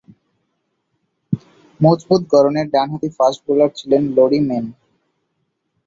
মজবুত গড়নের ডানহাতি ফাস্ট বোলার ছিলেন লরি মেন।